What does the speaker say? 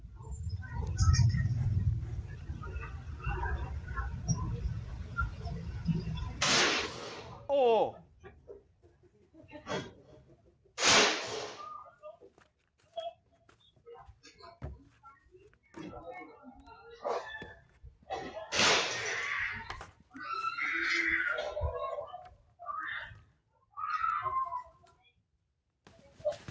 แล้วพวกมันจะได้ทำอะไรอย่างนี้